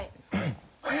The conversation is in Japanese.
・はい。